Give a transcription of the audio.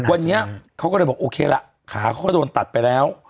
วันนี้เขาก็เลยบอกโอเคละขาเขาก็โดนตัดไปแล้ว